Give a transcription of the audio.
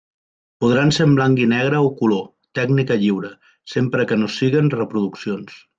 Podran ser en blanc i negre o color, tècnica lliure, sempre que no siguen reproduccions.